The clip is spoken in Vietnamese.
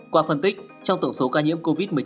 qua phân tích trong tổng số ca nhiễm covid một mươi chín